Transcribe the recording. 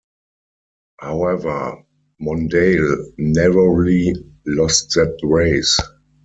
However, Mondale narrowly lost that race.